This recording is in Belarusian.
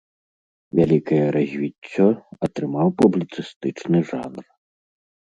Вялікае развіццё атрымаў публіцыстычны жанр.